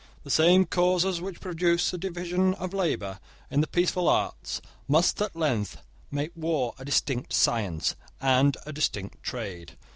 The same causes which produce a division of labour in the peaceful arts must at length make war a distinct science and a distinct trade.